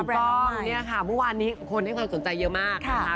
แบรนด์เราใหม่อุ้ยก็เนี้ยค่ะวันนี้คนให้ความสนใจเยอะมากค่ะ